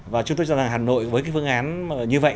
và chúng tôi cho rằng hà nội với cái phương án như vậy